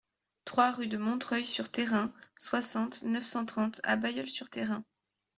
trois rue de Montreuil sur Thérain, soixante, neuf cent trente à Bailleul-sur-Thérain